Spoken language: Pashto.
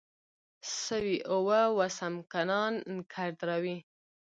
سوی اوه و سمکنان کرد روی